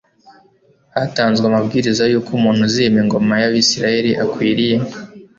hatanzwe amabwiriza y'uko umuntu uzima ingoma ya isirayeli akwiriye